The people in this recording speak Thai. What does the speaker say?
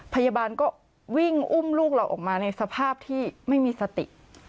พยาบาลก็วิ่งอุ้มลูกเราออกมาในสภาพที่ไม่มีสติ